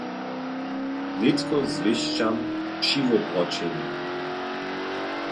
Nětko zwěsćam přiwobroćenje.